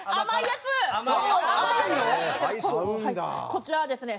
こちらはですね